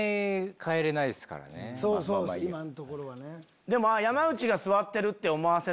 今のところはね。